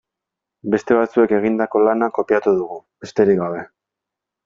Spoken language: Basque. Beste batzuek egindako lana kopiatu dugu, besterik gabe.